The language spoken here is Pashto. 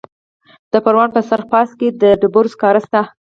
د پروان په سرخ پارسا کې د ډبرو سکاره شته.